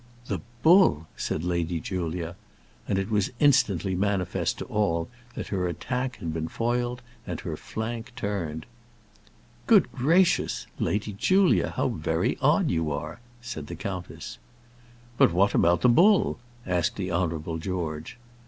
"The bull!" said Lady Julia. And it was instantly manifest to all that her attack had been foiled and her flank turned. "Good gracious! Lady Julia, how very odd you are!" said the countess. "But what about the bull?" asked the Honourable George.